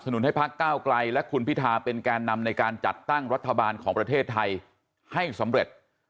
ทุกคนของประเทศไทยให้สำเร็จ